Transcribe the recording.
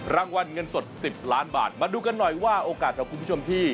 เงินสด๑๐ล้านบาทมาดูกันหน่อยว่าโอกาสของคุณผู้ชมที่